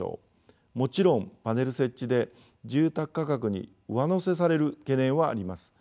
もちろんパネル設置で住宅価格に上乗せされる懸念はあります。